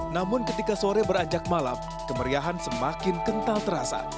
namun ketika sore beranjak malam kemeriahan semakin kental terasa